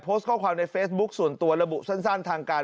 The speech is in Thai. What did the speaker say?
โพสต์ข้อความในเฟซบุ๊คส่วนตัวระบุสั้นทางการ